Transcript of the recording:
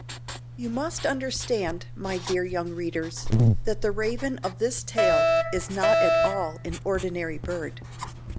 You must understand, my dear young readers, that the Raven of this tale is not at all an ordinary bird.